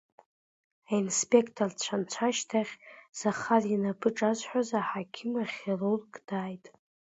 Аинспекторцәа анца ашьҭахь, Захар инапы ҿазҳәаз, аҳақьым-ахьирург дааит.